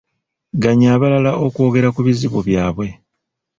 Ganya abalala okwogera ku bizibu byabwe .